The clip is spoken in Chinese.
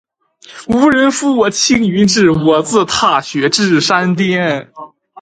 无人扶我青云志，我自踏雪至山巅。